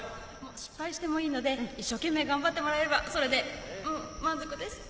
失敗してもいいので、一生懸命頑張ってもらえれば、それで満足です。